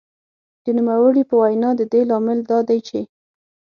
د نوموړې په وینا د دې لامل دا دی چې